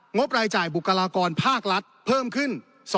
บรายจ่ายบุคลากรภาครัฐเพิ่มขึ้น